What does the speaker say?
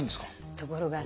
ところがね。